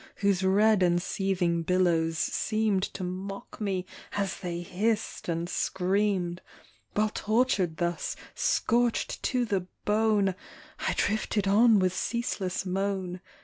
Whose red and seething billows seemed To mock me as they hissed and screamed ; While tortured thus, scorched to the bone, I drifted on with ceaseless moan.